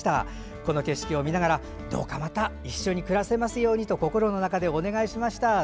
この景色を見ながらどうかまた一緒に暮らせますようにと心の中でお願いしました。